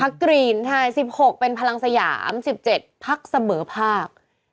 พรรคกรีน๑๖เป็นพลังสยาม๑๗พรรคเสมอภาค